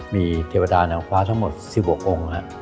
มีเทวดาอนาควาทั้งหมด๑๖องค์